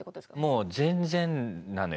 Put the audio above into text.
もう全然なのよ。